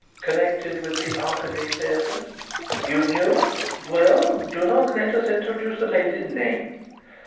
"Connected with the Arcady Theatre?" "You know? Well, do not let us introduce the lady's name.